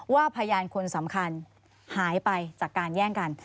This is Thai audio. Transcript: พยานคนสำคัญหายไปจากการแย่งกัน